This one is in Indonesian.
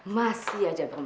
masih aja perempuan kamu